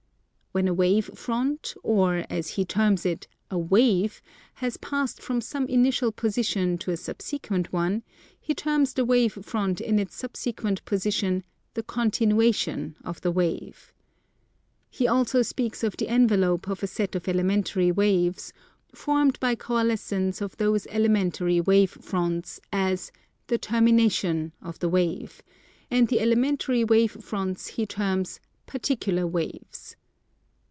When a wave front, or, as he terms it, a "wave," has passed from some initial position to a subsequent one, he terms the wave front in its subsequent position "the continuation" of the wave. He also speaks of the envelope of a set of elementary waves, formed by coalescence of those elementary wave fronts, as "the termination" of the wave; and the elementary wave fronts he terms "particular" waves.